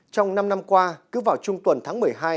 trong năm năm qua cứ vào trung tuần tháng một mươi hai